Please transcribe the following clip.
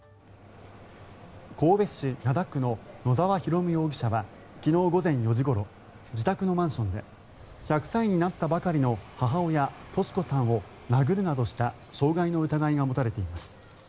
神戸市灘区の野澤弘容疑者は昨日午前４時ごろ自宅のマンションで１００歳になったばかりの母親・敏子さんを殴るなどした傷害の疑いが持たれています。